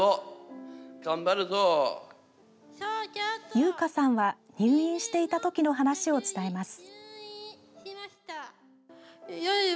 優香さんは入院していたときの話を伝えます。